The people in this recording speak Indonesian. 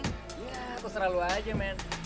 ya aku serah lo aja men